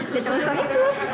udah calon suamiku